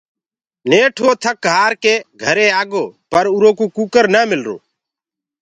نيٺ وو ٿَڪ هآر ڪي گھري آگو پر اُرو ڪوُ ڪٚڪر نآ ملرو۔